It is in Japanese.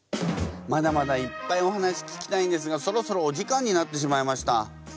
まだまだいっぱいお話聞きたいんですがそろそろお時間になってしまいました。